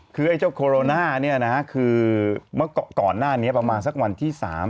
คือไอ้เจ้าโคโรนาเนี่ยนะฮะคือเมื่อก่อนหน้านี้ประมาณสักวันที่๓